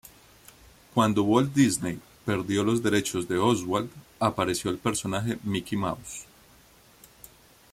Cuando Walt Disney perdió los derechos de Oswald, apareció el personaje de Mickey Mouse.